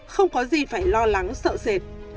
không có gì phải lo lắng sợ sệt